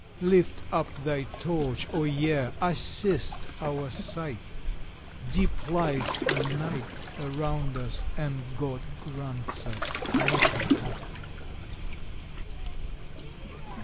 Lift up thy torch, O Year! assist our sight! Deep lies the night Around us, and GOD grants us little light!